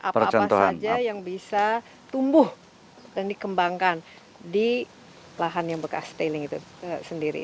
apa apa saja yang bisa tumbuh dan dikembangkan di lahan yang bekas tailing itu sendiri